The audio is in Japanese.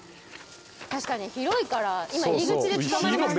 確かに広いから今入り口でつかまりましたけど。